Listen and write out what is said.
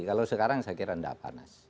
kalau sekarang saya kira tidak panas